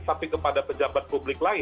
tapi kepada pejabat publik lain